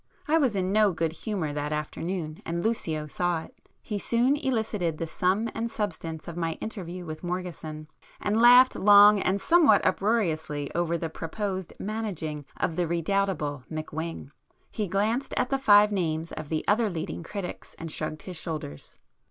I was in no good humour that afternoon, and Lucio saw it. He soon elicited the sum and substance of my interview with Morgeson, and laughed long and somewhat uproariously over the proposed 'managing' of the redoubtable McWhing. He glanced at the five names of the other leading critics and shrugged his shoulders.